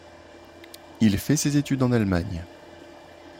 Il fait ses études en Allemagne.